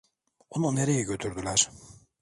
Onu nereye götürdüler?